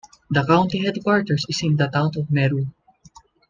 The county headquarters is in the town of Meru.